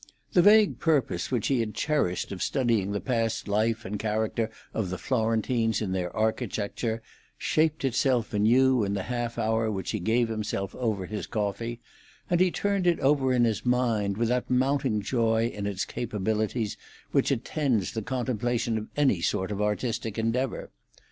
The vague purpose which he had cherished of studying the past life and character of the Florentines in their architecture shaped itself anew in the half hour which he gave himself over his coffee; and he turned it over in his mind with that mounting joy in its capabilities which attends the contemplation of any sort of artistic endeavour.